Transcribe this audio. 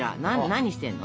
何してんの？